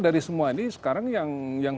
dari semua ini sekarang yang